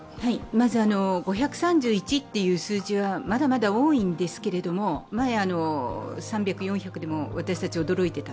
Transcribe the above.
まず５３１という数字はまだまだ多いんですけれども前は３００、４００でも私たちは驚いていた。